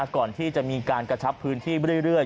ก่อนที่จะมีการกระชับพื้นที่เรื่อย